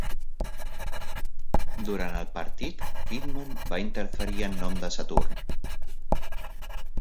Durant el partit, Kidman va interferir en nom de Saturn.